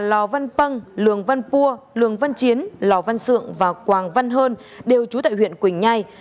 lò văn pâng lường văn pua lường văn chiến lò văn sượng và quảng văn hơn đều trú tại huyện quỳnh nhai